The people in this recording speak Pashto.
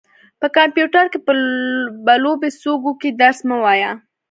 په کمپيوټر کې به لوبې څوک وکي درس مه وايه.